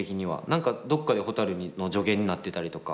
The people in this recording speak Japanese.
何かどっかでほたるの助言になってたりとか